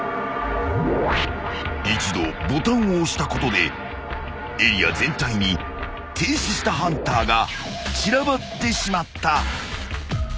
［一度ボタンを押したことでエリア全体に停止したハンターが散らばってしまった］